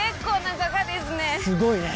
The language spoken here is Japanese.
すごいね。